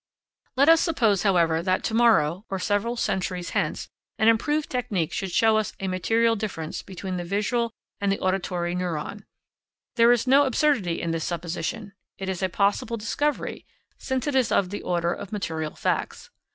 Let us suppose, however, that to morrow, or several centuries hence, an improved technique should show us a material difference between the visual and the auditory neurone. There is no absurdity in this supposition; it is a possible discovery, since it is of the order of material facts.